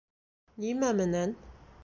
Нимә менән?